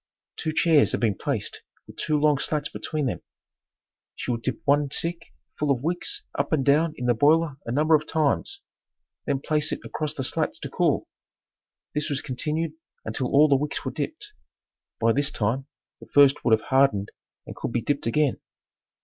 Two chairs had been placed with two long slats between them. She would dip one stick full of wicks up and down in the boiler a number of times, then place it across the slats to cool. This was continued until all the wicks were dipped. By this time, the first would have hardened and could be dipped again.